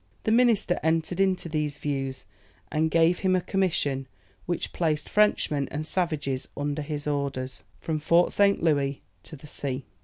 The minister entered into these views, and gave him a commission which placed Frenchmen and savages under his orders, from Fort St. Louis to the sea.